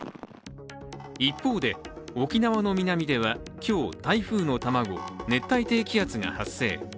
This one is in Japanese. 一方で、沖縄の南では今日、台風の卵熱帯低気圧が発生。